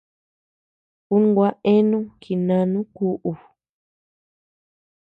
Ú gua eanu jinánu kúʼu.